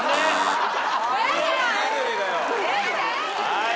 はい。